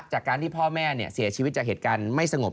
จากการที่พ่อแม่เสียชีวิตจากเหตุการณ์ไม่สงบ